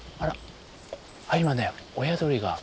あっ今ね親鳥が。